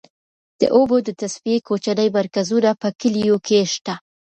د اوبو د تصفیې کوچني مرکزونه په کليو کې شته.